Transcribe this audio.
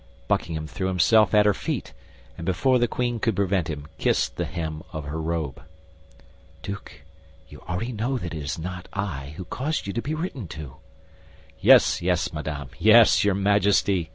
Buckingham threw himself at her feet, and before the queen could prevent him, kissed the hem of her robe. "Duke, you already know that it is not I who caused you to be written to." "Yes, yes, madame! Yes, your Majesty!"